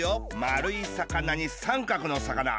まるいさかなにさんかくのさかな。